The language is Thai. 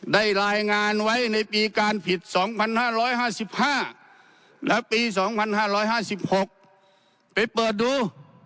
ได้รายงานไว้ในปีการผิด๒๕๕๕และปี๒๕๕๖ไปเปิดดู